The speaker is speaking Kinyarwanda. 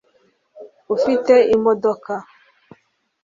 ufite imodoka